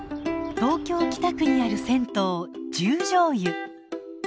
東京・北区にある銭湯十條湯。